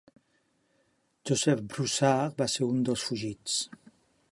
Joseph Broussard va ser un dels fugits.